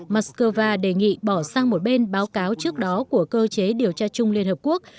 moscow đề nghị bỏ sang một bên báo cáo trước đó của cơ chế điều tra chung liên hợp quốc